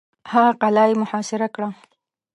هغه قلا یې محاصره کړه.